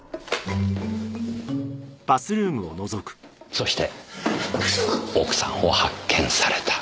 そして奥さんを発見された。